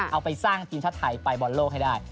เอาไปสร้างทีมชาติไทยไปบอลโลกให้ได้